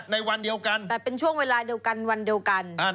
ในวันเดียวกันแต่เป็นช่วงเวลาเดียวกันวันเดียวกัน